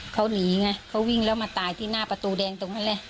เขาหนีไงเขาวิ่งแล้วมาตายที่หน้าประตูแดงตรงนั้นเลย